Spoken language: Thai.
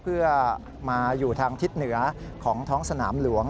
เพื่อมาอยู่ทางทิศเหนือของท้องสนามหลวง